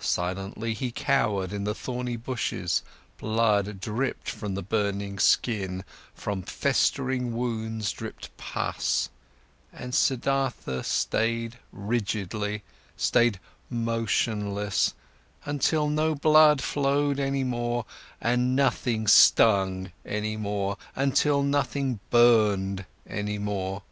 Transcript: Silently, he cowered in the thorny bushes, blood dripped from the burning skin, from festering wounds dripped pus, and Siddhartha stayed rigidly, stayed motionless, until no blood flowed any more, until nothing stung any more, until nothing burned any more.